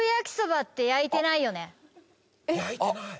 焼いてない！